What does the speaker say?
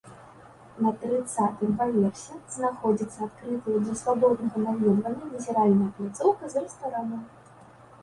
На трыццатым паверсе знаходзіцца адкрытая для свабоднага наведвання назіральная пляцоўка з рэстаранам.